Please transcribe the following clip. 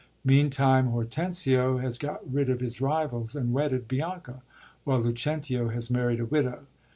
Meantime, Hortensio has got rid of his rivals and wedded Bianca, while Lucentio has married a widow.